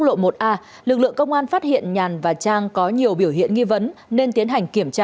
quốc lộ một a lực lượng công an phát hiện nhàn và trang có nhiều biểu hiện nghi vấn nên tiến hành kiểm tra